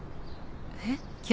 えっ？